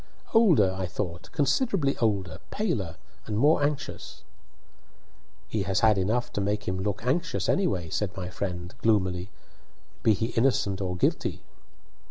"Older, I thought; considerably older, paler, and more anxious." He has had enough to make him look anxious, anyhow, "said my friend, gloomily, "be he innocent or guilty."